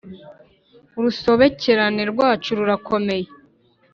Urusobekerane rwacu rurakomeye.